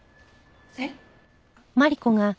えっ？